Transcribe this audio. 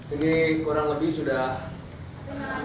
ini kurang lebih sudah empat jam